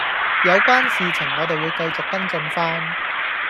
有關事情我哋會繼續跟進番